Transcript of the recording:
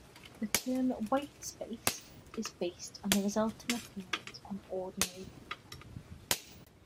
The term "white space" is based on the resulting appearance on ordinary paper.